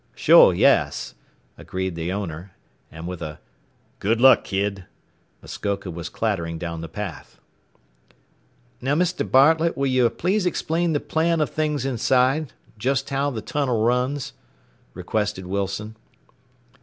"Sure yes," agreed the owner, and with a "Good luck, kid," Muskoka was clattering down the path. "Now, Mr. Bartlett, will you please explain the plan of things inside; just how the tunnel runs?" requested Wilson.